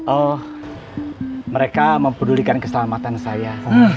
oh mereka memperdulikan keselamatan saya